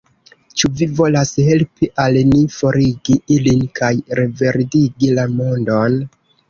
Ĉu vi volas helpi al ni forigi ilin kaj reverdigi la mondon?